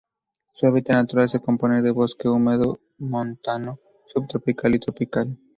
Su hábitat natural se compone de bosque húmedo montano subtropical y tropical.